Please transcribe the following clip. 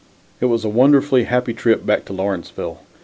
It was a wonderfully happy trip back to Lawrenceville.